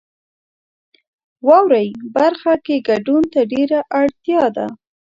واورئ برخه کې ګډون ته ډیره اړتیا ده.